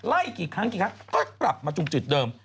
ไล่กี่ครั้งก็กลับมาจุงจุดเดิม